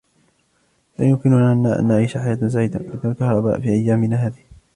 لا يمكن لنا أن نعيش حياة سعيدة بدون كهرباء في أيامنا هذه.